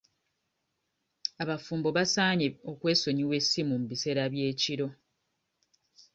Abafumbo basaanye okwesonyiwa essimu mu biseera by'ekiro.